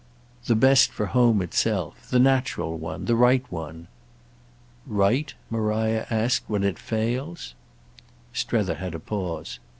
"The best for home itself. The natural one; the right one." "Right," Maria asked, "when it fails?" Strether had a pause.